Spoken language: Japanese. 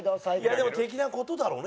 でも的な事だろうね